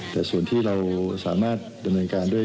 แต่ส่วนที่เราสามารถดำเนินการด้วย